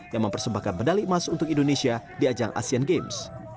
yang mempersembahkan medali emas untuk indonesia di ajang asean games